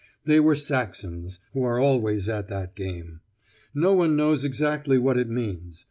They were Saxons, who are always at that game. No one knows exactly what it means.